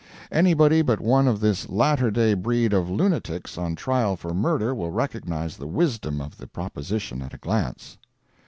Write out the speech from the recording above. Anybody but one of this latter day breed of "lunatics" on trial for murder will recognize the wisdom of the proposition at a glance.